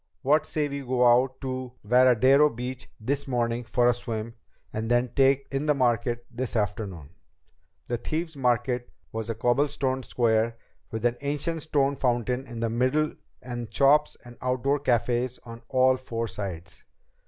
What say we go out to Veradero Beach this morning for a swim, and then take in the market this afternoon?" The Thieves' Market was a cobblestoned square, with an ancient stone fountain in the middle and shops and outdoor cafés on all four sides.